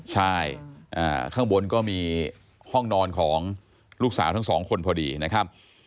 ใช่ข้างบนก็มีห้องนอนของลูกสาวทั้งสองคนพอดีนะครับ